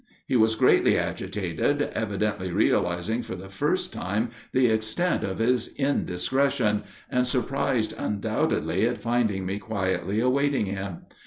He was greatly agitated, evidently realizing for the first time the extent of his indiscretion, and surprised undoubtedly at finding me quietly awaiting him.